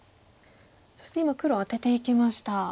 そして今黒アテていきました。